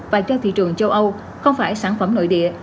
và cho thị trường châu âu không phải sản phẩm nội địa